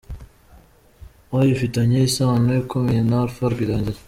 Y ufitanye isano ikomeye na Alpha Rwirangira.